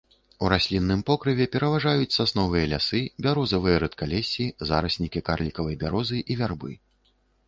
У раслінным покрыве пераважаюць сасновыя лясы, бярозавыя рэдкалессі, зараснікі карлікавай бярозы і вярбы.